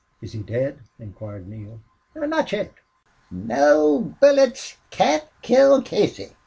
"Is he dead?" inquired Neale. "Not yit. No bullets can't kill Casey."